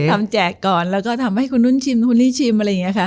แจกก่อนแล้วก็ทำให้คนนู้นชิมคนนี้ชิมอะไรอย่างนี้ค่ะ